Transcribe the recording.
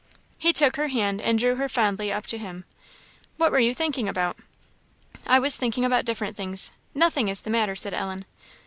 He took her hand and drew her fondly up to him. "What were you thinking about?" "I was thinking about different things nothing is the matter," said Ellen.